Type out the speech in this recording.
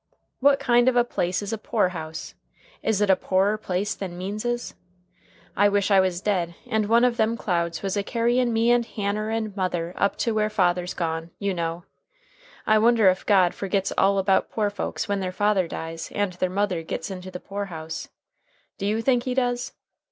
What kind of a place is a poor house? Is it a poorer place than Means's? I wish I was dead and one of them clouds was a carryin' me and Hanner and mother up to where father's gone, you know! I wonder if God forgets all about poor folks when their father dies and their mother gits into the poor house? Do you think He does?